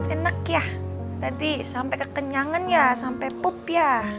enak ya tadi sampai kekenyangan ya sampai pup ya